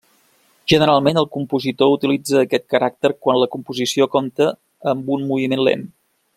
Generalment el compositor utilitza aquest caràcter quan la composició compta amb un moviment lent.